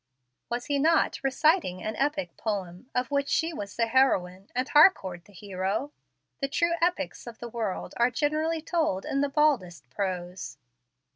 Was he not reciting an epic poem of which she was the heroine and Harcourt the hero? The true epics of the world are generally told in the baldest prose.